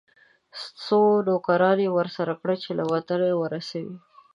څو نوکران یې ورسره کړه چې تر وطنه یې ورسوي.